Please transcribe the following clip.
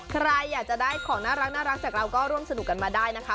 ใครอยากจะได้ของน่ารักจากเราก็ร่วมสนุกกันมาได้นะคะ